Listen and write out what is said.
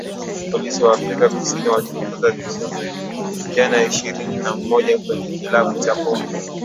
Polisi wa Afrika Kusini wachunguza vifo vya vijana ishirini na moja kwenye kilabu cha pombe